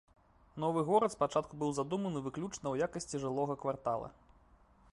Новы горад спачатку быў задуманы выключна ў якасці жылога квартала.